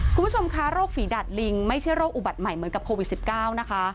คุณผู้ชมคะโรคฝีดัดลิงไม่ใช่โรคอุบัติใหม่เหมือนกับโควิด๑๙นะคะ